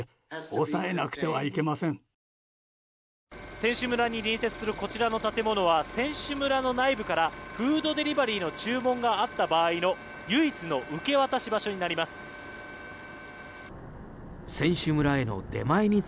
選手村に隣接するこちらの建物は選手村の内部からフードデリバリーの注文があった場合の唯一の受け渡し場所になります。